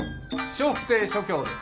笑福亭松喬です。